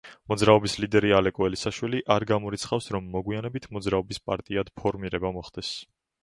მოძრაობის ლიდერი ალეკო ელისაშვილი არ გამორიცხავს, რომ მოგვიანებით მოძრაობის პარტიად ფორმირება მოხდეს.